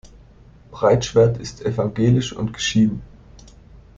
Breitschwert ist evangelisch und geschieden.